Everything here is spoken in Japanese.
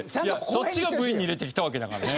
そっちがＶに入れてきたわけだからね。